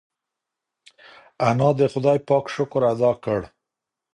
انا د خدای پاک شکر ادا کړ.